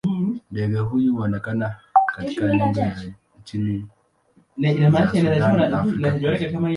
Ndege huyu huonekana katika nembo ya nchi za Sudan na Afrika Kusini.